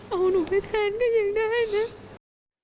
เอาหนูไปแทนก็ยังได้นะ